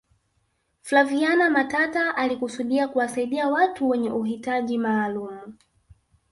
flaviana matata alikusudia kuwasaidia watu wenye uhitaji maalum